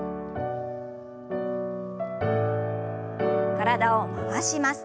体を回します。